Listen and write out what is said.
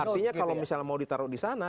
artinya kalau misalnya mau ditaruh disana